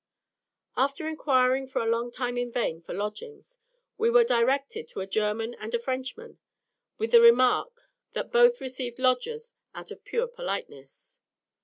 After inquiring for a long time in vain for lodgings, we were directed to a German and a Frenchman, with the remark that both received lodgers out of pure politeness.